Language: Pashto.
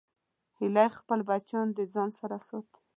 هیلۍ خپل بچیان د ځان سره ساتي